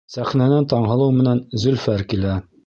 Сәхнәнән Таңһылыу менән Зөлфәр килә.